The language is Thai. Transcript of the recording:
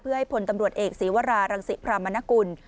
เพื่อให้พลตำรวจเอกศีวรารังศิพรามนกุล